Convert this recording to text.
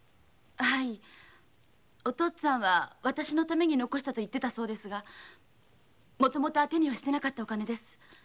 お父っつぁんはわたしのために残したと言ってたそうですがもともと当てにはしていなかったお金です。